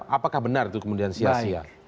apakah benar itu kemudian sia sia